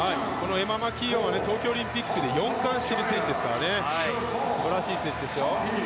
エマ・マキーオンは東京オリンピックで４冠している選手ですから素晴らしい選手ですよ。